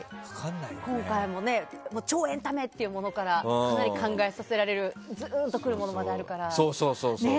今回も超エンタメというものからかなり考えさせられるズーンとくるものまであるから。